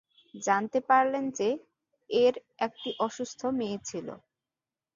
জানতে পারলেন যে, এর একটি অসুস্থ মেয়ে ছিল।